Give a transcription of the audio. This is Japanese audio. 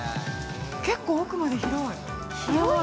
結構奥まで広い。